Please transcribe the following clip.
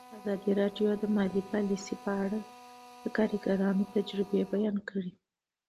ازادي راډیو د مالي پالیسي په اړه د کارګرانو تجربې بیان کړي.